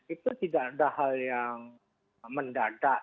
itu tidak ada hal yang mendadak